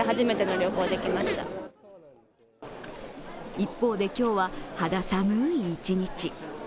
一方で、今日は肌寒い一日。